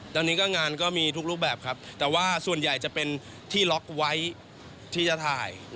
ตอนนี้ก็งานก็มีทุกรูปแบบครับแต่ว่าส่วนใหญ่จะเป็นที่ล็อกไว้ที่จะถ่าย